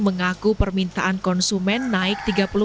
mengaku permintaan konsumen naik tiga puluh